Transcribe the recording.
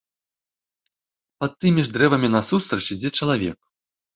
Пад тымі ж дрэвамі насустрач ідзе чалавек.